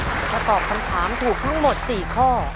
ถ้าตอบถูกทั้งหมด๔ข้อ